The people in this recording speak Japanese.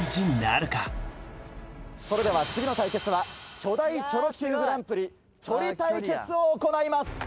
それでは次の対決は巨大チョロＱグランプリ距離対決を行います。